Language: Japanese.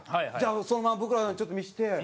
じゃあそのままブクロさんちょっと見せて。